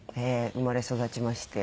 生まれ育ちまして。